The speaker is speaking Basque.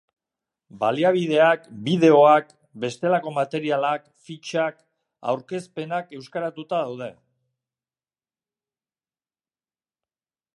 Baliabideak, bideoak, bestelako materialak, fitxak, aurkezpenak euskaratuta daude.